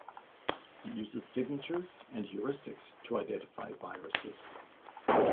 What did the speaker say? It uses signatures and heuristics to identify viruses.